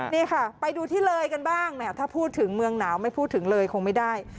นี่ค่ะไปดูที่เลยกันบ้างถ้าพูดถึงเมืองหนาวไม่พูดถึงเลยคงไม่ได้